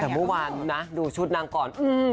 แต่วันนี้ดูชุดนางก่อน